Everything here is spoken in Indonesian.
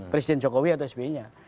presiden jokowi atau sby nya